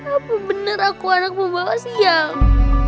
apa bener aku anak pembawa siang